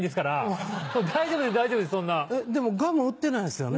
でもガム売ってないですよね？